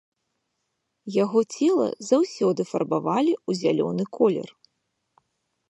Яго цела заўсёды фарбавалі ў зялёны колер.